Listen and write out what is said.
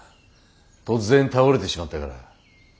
突然倒れてしまったから。